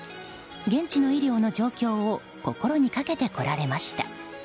現地の医療の状況を心にかけてこられました。